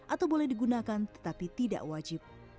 atau boleh digunakan tetapi tidak wajib